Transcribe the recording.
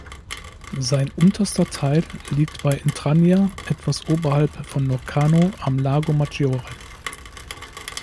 Sein unterster Teil liegt bei Intragna, etwas oberhalb von Locarno am Lago Maggiore.